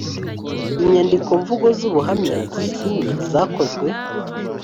inyandikomvugo z ubuhamya zisinye zakozwe